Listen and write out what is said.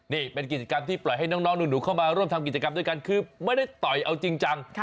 นี่เป็นกิจกรรมที่ปล่อยให้น้องหนูเข้ามาร่วมทำกิจกรรมด้วยกันคือไม่ได้ต่อยเอาจริงจัง